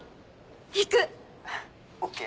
行く！ＯＫ。